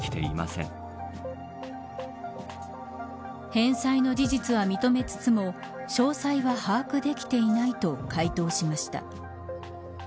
返済の事実は認めつつも詳細は把握できていないと回答しました。